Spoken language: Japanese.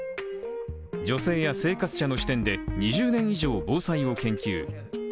女性や生活者の視点で、２０年以上防災を研究。